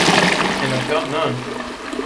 And I’ve got none.